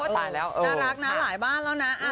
ทราบนะหลายบ้านแล้วนะ